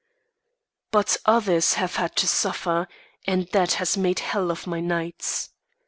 But others have had to suffer, and that has made hell of my nights.